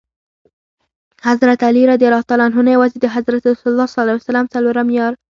حضرت علي رض نه یوازي د حضرت رسول ص څلورم یار.